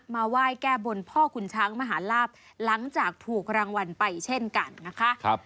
มาไหว้แก้บนพ่อคุณช้างมหาลาบหลังจากถูกรางวัลไปเช่นกันนะคะ